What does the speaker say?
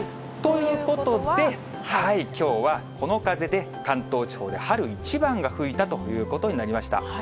ということで、きょうはこの風で、関東地方で春一番が吹いたということになりました。